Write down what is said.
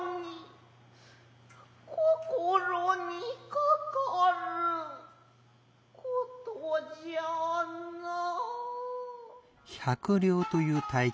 心にかかる事じゃなァ。